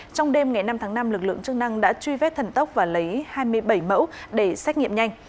trong đêm ngày năm tháng năm lực lượng chức năng đã truy vết thần tốc và lấy hai mươi bảy mẫu để xét nghiệm nhanh